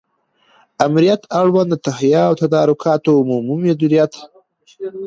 آمریت اړوند د تهیه او تدارکاتو عمومي مدیریت